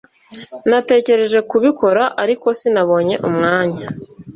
Natekereje kubikora ariko sinabonye umwanya